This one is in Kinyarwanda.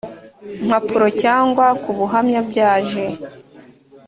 mpapuro cyangwa ku buhamya byaje